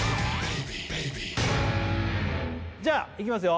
じゃあいきますよ